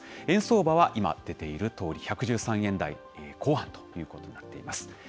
円相場は今出ているとおり、１１３円台後半ということになっています。